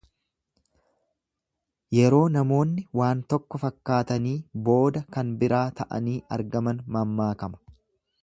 Yeroo namoonni waan tokko fakkaatanii booda kan biraa ta'anii argaman mammaakama.